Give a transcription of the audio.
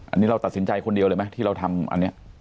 อันนี้เราตัดสินใจคนเดียวเลยไหมที่เราทำอันนี้